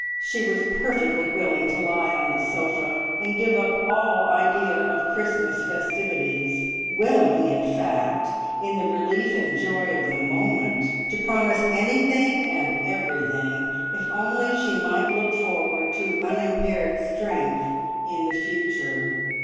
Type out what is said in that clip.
She was perfectly willing to lie on the sofa and give up all idea of Christmas festivities, willing, in fact, in the relief and joy of the moment, to promise anything and everything if only she might look forward to unimpaired strength in the future.